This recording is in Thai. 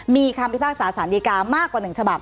มีคำพิทักษะสรรค์ดีการมากกว่าหนึ่งฉบับ